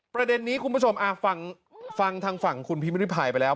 ประเด็นนี้คุณผู้ชมฟังทางฝั่งคุณพิมริพายไปแล้ว